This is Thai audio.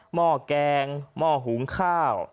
ห้อแกงหม้อหุงข้าว